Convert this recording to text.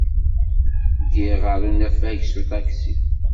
Ddiɣ ɣer unafag s uṭaksi.